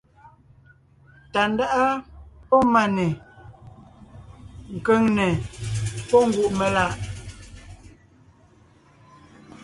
Tàndáʼa pɔ́ Máne; Kʉ̀ŋne pɔ́ Ngùʼmelaʼ.